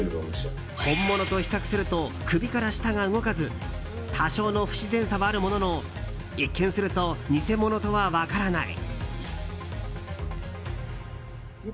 本物と比較すると首から下が動かず多少の不自然さはあるものの一見すると偽物とは分からない。